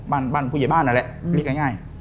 บ้านผู้ใหญ่บ้านนั่นแหละเรียกง่าย